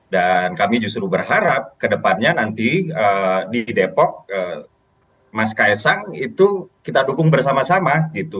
dan kami justru berharap kedepannya nanti di depok mas kaisang itu kita dukung bersama sama gitu